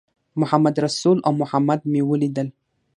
محمدرسول او محمد مې ولیدل.